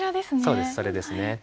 そうですそれですね。